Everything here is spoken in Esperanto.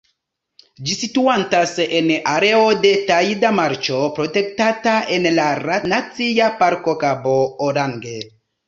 Ĝi situantas en areo de tajda marĉo protektata en la Nacia Parko Kabo Orange.